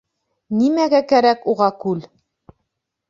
— Нимәгә кәрәк уға күл?!